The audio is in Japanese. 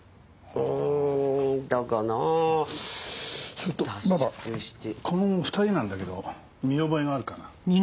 ちょっとママこの２人なんだけど見覚えがあるかな？